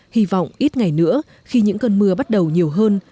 hy vọng ít ngày nữa khi những cơn mưa bắt đầu nhiều hơn